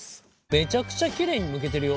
めちゃくちゃきれいにむけてるよ。